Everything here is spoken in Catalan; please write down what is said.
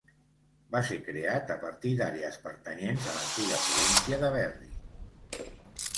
Va ser creat a partir d'àrees pertanyents a l'antiga província de Berry.